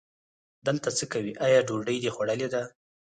دلته څه کوې، آیا ډوډۍ دې خوړلې ده؟